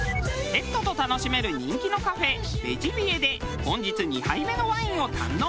ペットと楽しめる人気のカフェベジビエで本日２杯目のワインを堪能。